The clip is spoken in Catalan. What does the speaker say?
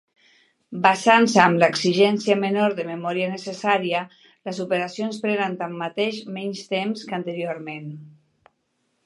Basant-se en l'exigència menor de memòria necessària, les operacions prenen tanmateix menys temps que anteriorment.